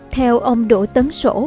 theo ông đỗ tấn sổ